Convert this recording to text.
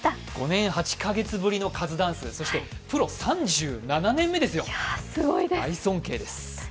５年８か月ぶりのカズダンス、そしてプロ３７年目ですよ、大尊敬です。